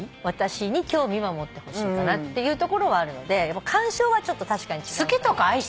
私に興味は持ってほしいかなっていうところはあるので干渉はちょっと確かに違うかな。